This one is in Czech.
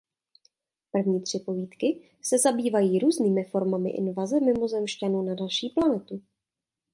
První tři povídky se zabývají různými formami invaze mimozemšťanů na naší planetu.